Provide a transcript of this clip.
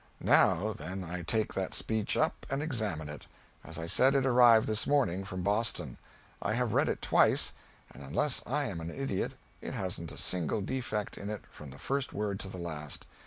Now, then, I take that speech up and examine it. As I said, it arrived this morning, from Boston. I have read it twice, and unless I am an idiot, it hasn't a single defect in it from the first word to the last.